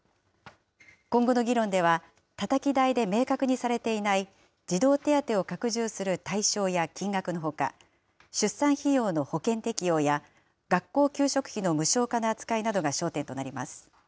今後の議論では、たたき台で明確にされていない、児童手当を拡充する対象や金額のほか、出産費用の保険適用や学校給食費の無償化の扱いなどが焦点となります。